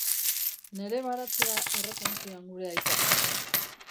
Nere baratzea erraten zion gure aitak.